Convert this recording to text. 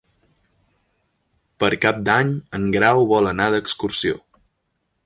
Per Cap d'Any en Grau vol anar d'excursió.